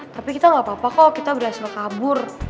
tapi kita gak apa apa kok kita berhasil kabur